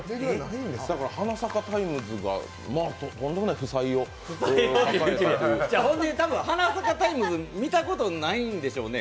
だから「花咲かタイムズ」がとんでもない負債を抱えている「花咲かタイムズ」見たことないんでしょうね。